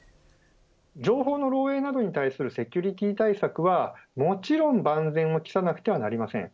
情報の漏えいに対するセキュリティ対策はもちろん万全を期さなくてはいけません。